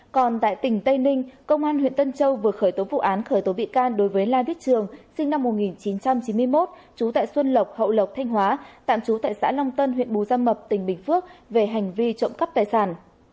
còn tại tỉnh tây ninh công an huyện tân châu vừa khởi tố vụ án khởi tố bị can đối với la viết trường sinh năm một nghìn chín trăm chín mươi một trú tại xuân lộc hậu lộc thanh hóa tạm trú tại xã long tân huyện bù gia mập tỉnh bình phước về hành vi trộm cắp tài sản